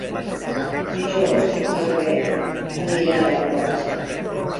Dijous na Bet anirà a la platja.